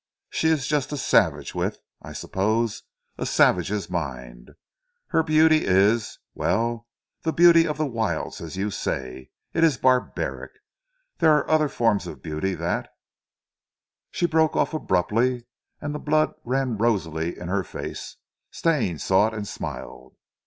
She is just a savage, with, I suppose, a savage's mind. Her beauty is well, the beauty of the wilds as you say. It is barbaric. There are other forms of beauty that " She broke off abruptly, and the blood ran rosily in her face. Stane saw it and smiled.